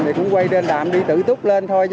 thì cũng quay lên đạm đi tử túc lên thôi